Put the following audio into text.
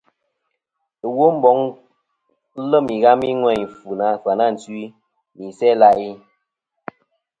Womboŋ lem ighami ŋweyn Fyanantwi, nɨ Isæ-ila'i.